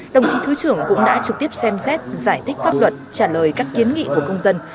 đồng chí thứ trưởng cũng đã trực tiếp xem xét giải thích pháp luật trả lời các kiến nghị của công dân